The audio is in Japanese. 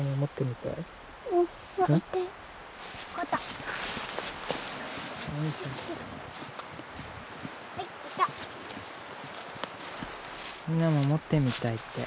みなも持ってみたいって。